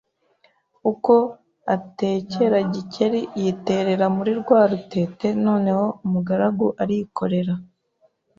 Uko atekera Gikeli yiterera muri rwa rutete Noneho umugaragu arikorera